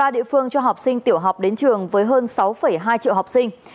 năm mươi ba địa phương cho học sinh tiểu học đến trường với hơn sáu hai triệu học sinh